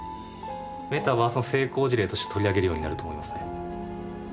メタバースの成功事例として取り上げるようになると思いますね。